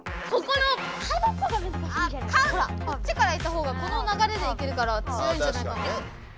こっちから行ったほうがこのながれで行けるから強いんじゃないかな。